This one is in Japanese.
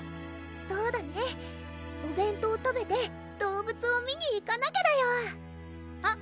そうだねお弁当食べて動物を見に行かなきゃだよあっ